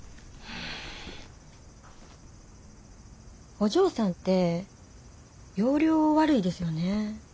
お嬢さんって要領悪いですよね。